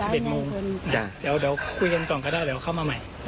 เดี๋ยวเดี๋ยวคุยกันก่อนก็ได้เดี๋ยวเข้ามาใหม่